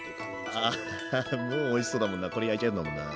あもうおいしそうだもんなこれ焼いちゃうんだもんな。